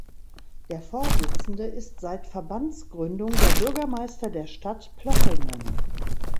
Der Vorsitzende ist seit Verbandsgründung der Bürgermeister der Stadt Plochingen.